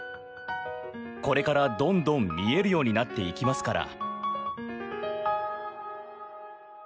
これからどんどん見えるようになっていきますから。